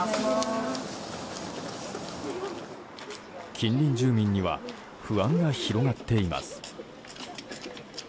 近隣住民には不安が広がっています。